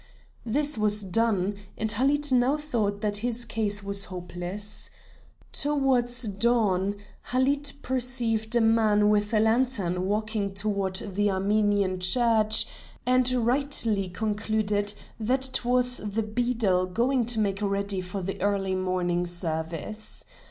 This was done, and Halid now thought that his case was hopeless. Towards dawn, Halid perceived a man with a lantern walking toward the Armenian Church, and rightly concluded that it was the beadle going to make ready for the early morning service.